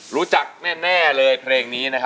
รู้จักแน่เลยเพลงนี้นะฮะ